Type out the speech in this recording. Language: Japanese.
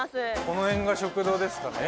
この辺が食堂ですかね。